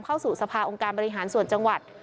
เข้าสู่สภาองค์การบริหารส่วนจังหวัด